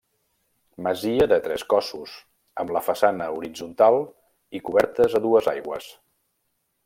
Masia de tres cossos, amb la façana horitzontal i cobertes a dues aigües.